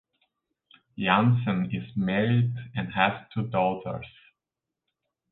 Jansen is married and has two daughters.